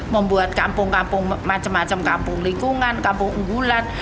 membuat kampung kampung macam macam kampung lingkungan kampung unggulan